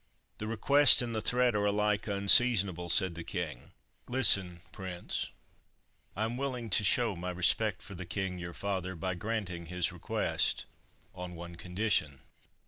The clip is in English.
"The request and the threat are alike unseasonable," said the king. "Listen, prince; I am willing to show my respect for the king, your father, by granting his request, on one condition.